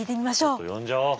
ちょっと呼んじゃおう。